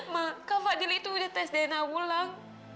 ma kak fadil itu udah tes dna ulang